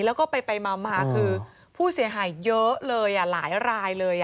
แล้วก็ไปมาคือผู้เสียหายเยอะเลยหลายรายเลย